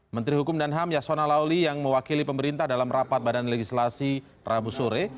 menteri hukum dan ham yasona lawli yang mewakili pemerintah dalam rapat badan legislasi rabu sore